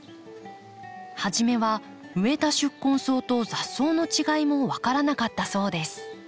初めは植えた宿根草と雑草の違いも分からなかったそうです。